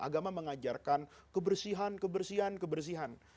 agama mengajarkan kebersihan kebersihan kebersihan